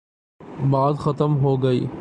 بات ختم ہو گئی۔